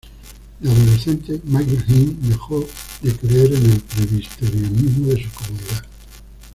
De adolescente, MacGill-Eain dejó a creer en el Presbiterianismo de su comunidad.